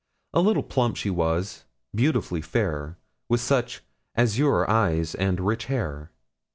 A little plump she was, beautifully fair, with such azure eyes, and rich hair.